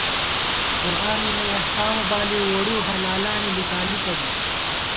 قرآنَنی احکامہ بالِؤ ووڑِؤ حلالانی لِکالِکہ بی